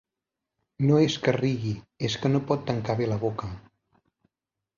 No és que rigui, és que no pot tancar bé la boca.